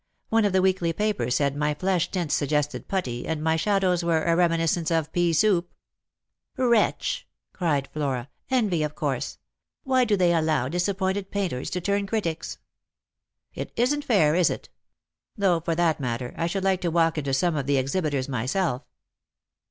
One of the weekly papers said my flesh tints suggested putty, and my shadows were a reminis cence of pea soup." " Wretch !" cried Flora •," envy, of course. Why do they allow disappointed painters to turn critics ?"" It isn't fair, is it ? Though, for that matter, I should like to walk into some of the exhibitors myself."